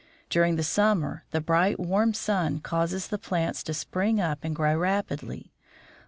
Dur ing the summer the bright, warm sun causes the plants to spring up and grow rapidly.